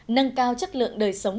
nâng cao chất lượng đời sống